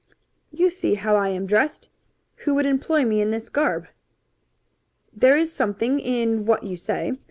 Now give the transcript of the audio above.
"You see how I am dressed. Who would employ me in this garb?" "There is something in what you say.